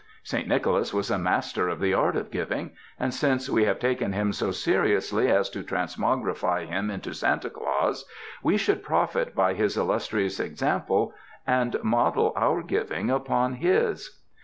Saint Nicholas was a master of the art of giving; and since we have taken him so seriously as to transmogrify him into Santa Claus, we should profit by his illus trious example and model our giving upon his.